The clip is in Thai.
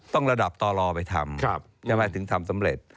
ต้องระดับต่อลรไปทำถึงทำสำเร็จ